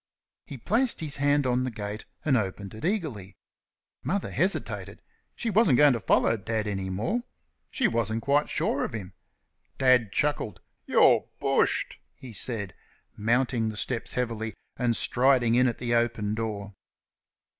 He placed his hand on the gate, and opened it eagerly. Mother hesitated. She wasn't going to follow Dad any more. She wasn't quite sure of him. Dad chuckled. "You're bushed!" he said, mounting the steps heavily and striding in at the open door.